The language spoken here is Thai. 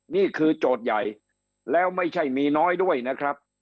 โจทย์ใหญ่แล้วไม่ใช่มีน้อยด้วยนะครับ